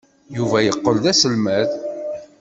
Yuba yeqqel d aselmad.